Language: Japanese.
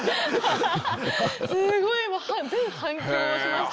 すごい今全反響しましたよ。